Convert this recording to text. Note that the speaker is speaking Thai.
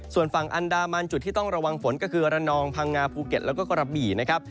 ส่วนฝั่งอันดามันจุดที่ต้องระวังฝนก็คือระนองพังงาภูเก็ตแล้วก็กระบี่นะครับ